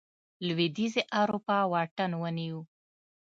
لوېدیځې اروپا واټن ونیو.